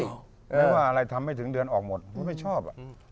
ก็เรียกว่าอะไรทำไม่ถึงเดือนออกหมดเขาไม่ชอบอ่ะ